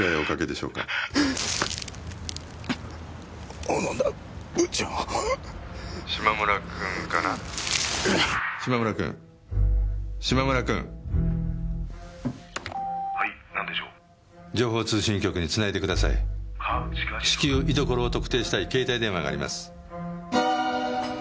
しかし」至急居所を特定したい携帯電話があります。